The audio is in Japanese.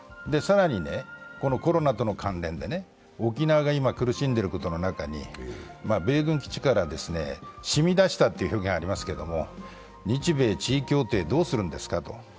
更にコロナとの関連で沖縄が今、苦しんでいることの中に米軍基地から染み出したという表現がありますけれども、日米地位協定どうするんですかと。